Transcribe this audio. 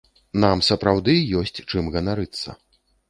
Нам сапраўды ёсць чым ганарыцца.